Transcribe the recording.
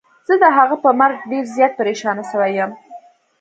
زه د هغه په مرګ ډير زيات پريشانه سوی يم.